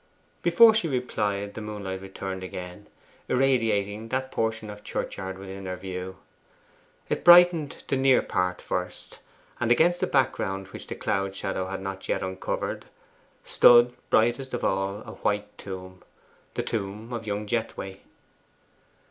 Before she replied the moonlight returned again, irradiating that portion of churchyard within their view. It brightened the near part first, and against the background which the cloud shadow had not yet uncovered stood, brightest of all, a white tomb the tomb of young Jethway.